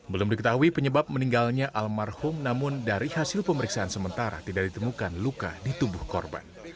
belum diketahui penyebab meninggalnya almarhum namun dari hasil pemeriksaan sementara tidak ditemukan luka di tubuh korban